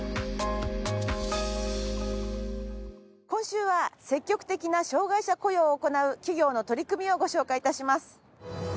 今週は積極的な障がい者雇用を行う企業の取り組みをご紹介致します。